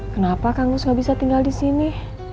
kenapa kang lus gak bisa tinggal di sini